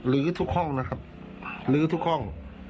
ทุกห้องนะครับลื้อทุกห้อง